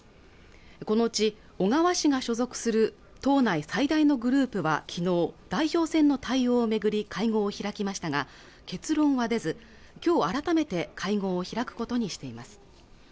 このうち小川氏が所属する党内最大のグループはきのう代表選の対応をめぐり会合を開きましたが結論は出ず今日改めて会合を開くことにしています